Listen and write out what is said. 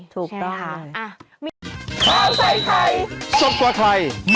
ถูกต้องค่ะ